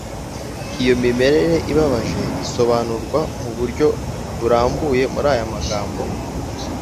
iyo mimerere ibabaje isobanurwa mu buryo burambuye muri aya magambo